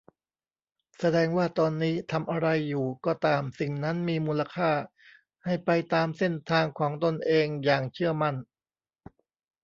แสดงว่าตอนนี้ทำอะไรอยู่ก็ตามสิ่งนั้นมีมูลค่า ให้ไปตามเส้นทางของตนเองอย่างเชื่อมั่น